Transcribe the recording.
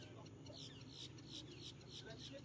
可以通过各种手段触发构建。